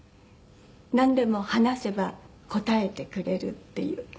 なんでも話せば答えてくれるっていう。